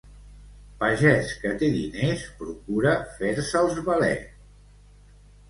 Pagès que té diners procura fer-se'ls valer.